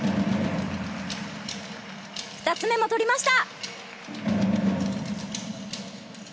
２つ目もとりました！